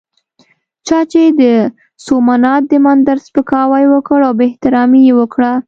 چا چې د سومنات د مندر سپکاوی وکړ او بې احترامي یې وکړه.